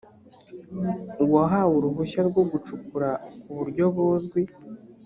uwahawe uruhushya rwo gucukura ku buryo buzwi